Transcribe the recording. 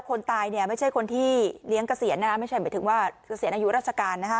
คนตายเนี่ยไม่ใช่คนที่เลี้ยงเกษียณนะคะไม่ใช่หมายถึงว่าเกษียณอายุราชการนะคะ